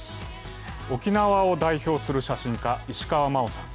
沖縄を代表する写真家、石川真生さん。